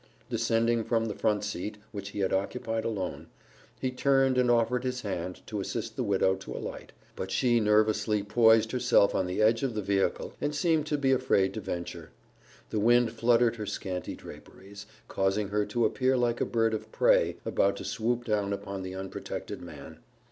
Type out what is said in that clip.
Descending from the front seat, which he had occupied alone, he turned and offered his hand to assist the widow to alight, but she nervously poised herself on the edge of the vehicle and seemed to be afraid to venture. The wind fluttered her scanty draperies, causing her to appear like a bird of prey about to swoop down upon the unprotected man.